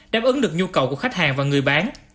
đáp ứng được nhu cầu của khách hàng và người bán